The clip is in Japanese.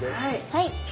はい！